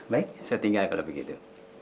baik saya tinggal kalau begitu